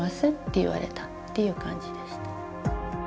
言われたっていう感じでした。